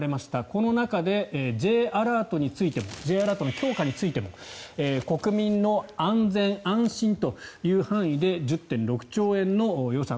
この中でＪアラートについてもＪアラートの強化についても国民の安全安心という範囲で１０．６兆円の予算。